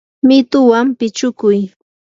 mituwan pichukuy.